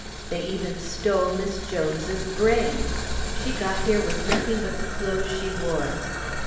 They even stole Miss Jones's braid! She got here with nothing but the clothes she wore.